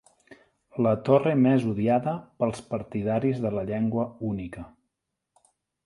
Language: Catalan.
La torre més odiada pels partidaris de la llengua única.